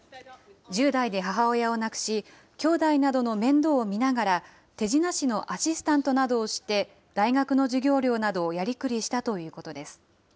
１０代で母親を亡くし、兄弟などの面倒を見ながら手品師のアシスタントなどをして、大学の授業料などをやり繰りしたということです。